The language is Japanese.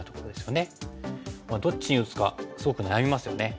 どっちに打つかすごく悩みますよね。